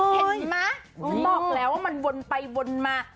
เห็นไหมฉันบอกแล้วว่ามันวนไปวนมา